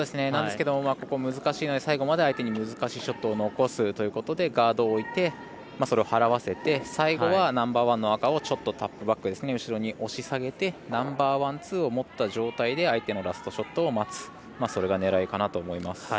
なんですけどここは難しいので最後まで相手に難しいショットを残すということでガードを置いて、それを払わせて最後はナンバーワンの赤をちょっと後ろに下げさせてナンバーワン、ツーを持った状態で相手のラストショットを待つのがそれが狙いかなと思います。